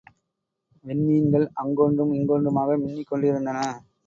விண்மீன்கள் அங்கொன்றும் இங்கொன்றுமாக மின்னிக் கொண்டிருந்தன.